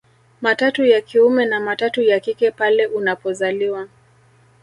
Matatu ya kiume na matatu ya kike pale unapozaliwa